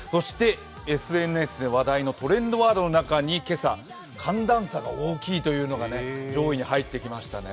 ＳＮＳで話題のトレンドワードの中に今朝、寒暖差が大きいというのが上位に入ってきましたね。